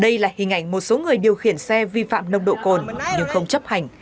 đây là hình ảnh một số người điều khiển xe vi phạm nông độ cồn nhưng không chấp hành